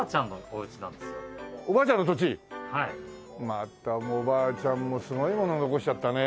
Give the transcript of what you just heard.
またおばあちゃんもすごいもの残しちゃったね。